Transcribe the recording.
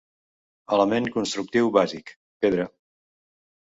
Element constructiu bàsic: pedra.